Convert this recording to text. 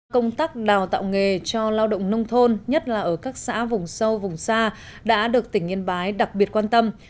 công tác đào tạo nghề cho lao động nông thôn nhất là ở các xã vùng sâu vùng xa đã được tỉnh yên bái đặc biệt quan tâm